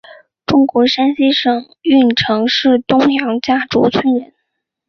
中国山西省运城市东杨家卓村人。